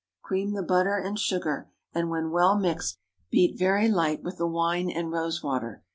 Cream the butter and sugar, and when well mixed, beat very light, with the wine and rose water.